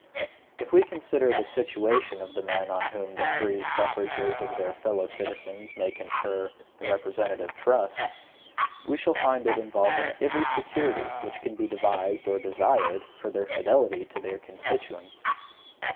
If we consider the situation of the men on whom the free suffrages of their fellow citizens may confer the representative trust, we shall find it involving every security which can be devised or desired for their fidelity to their constituents.